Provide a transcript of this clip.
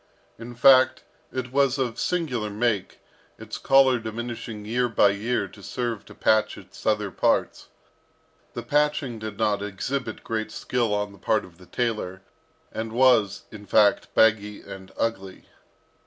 In fact, it was of singular make, its collar diminishing year by year to serve to patch its other parts. The patching did not exhibit great skill on the part of the tailor, and was, in fact, baggy and ugly.